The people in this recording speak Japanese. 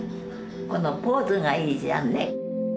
このポーズがいいじゃんね。